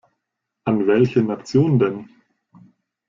An welche Nation denn?